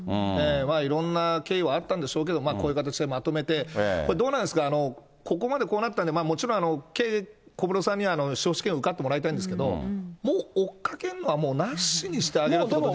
まあ、いろんな経緯はあったんでしょうけど、こういう形でまとめて、これ、どうなんですか、ここまでこうなったんで、もちろん、小室さんには司法試験受かってもらいたいんですけど、もう追っかけんのは、なしにしてあげることはできない？